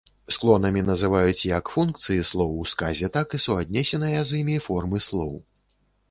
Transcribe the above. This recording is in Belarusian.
Склонамі называюць як функцыі слоў у сказе, так і суаднесеныя з імі формы слоў.